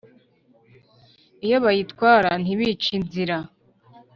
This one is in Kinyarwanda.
iyo bayitwara ntibice inzira